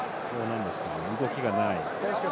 動きがない。